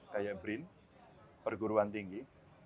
kayak brin perguruan tinggi